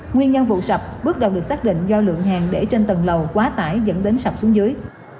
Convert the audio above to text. nguyên nhân vụ sập bước đầu được xác định do lượng hàng để trên tầng lầu quá tải dẫn đến sập xuống dưới